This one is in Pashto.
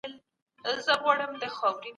ایا تاسو کله هم کرکټر شنلی دئ؟